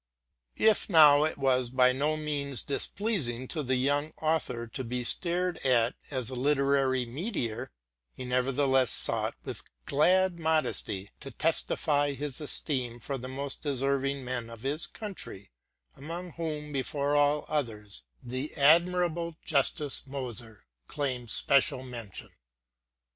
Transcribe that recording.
Although it was by no means displeasing to the young author to be stared at as a Jiterary meteor, he nevertheless tried, with glad modesty, to testify his esteem for the most deserving men of his country, among whom, before all others, the admirable Justus Méser claims especial mention.